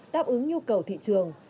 đáp ứng nhu cầu thị trường